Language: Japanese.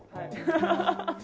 ハハハハハ！